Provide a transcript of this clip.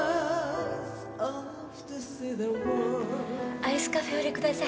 アイスカフェオレください。